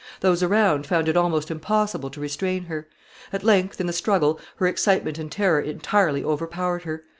Those around found it almost impossible to restrain her. At length, in the struggle, her excitement and terror entirely overpowered her.